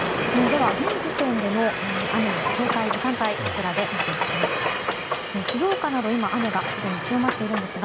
では現時点での雨の警戒時間帯を見ていきます。